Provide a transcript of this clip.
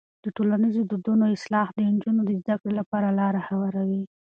د ټولنیزو دودونو اصلاح د نجونو د زده کړې لپاره لاره هواروي.